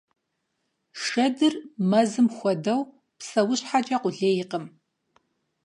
Шэдыр мэзым хуэдэу псэущхьэкӀэ къулейкъым.